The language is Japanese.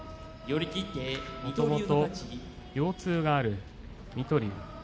もともと腰痛がある水戸龍。